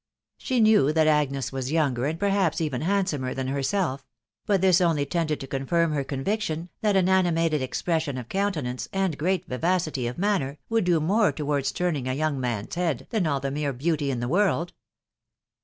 She knew that Agnes was younger, and perhaps even handsomer, than herself; but this only tended to confirm her conviction that an animated expression of countenance, and great vivacity of manner, would do more towards turning a young man's head than all the mere beauty in the world.